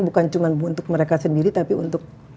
bukan cuma untuk mereka sendiri tapi untuk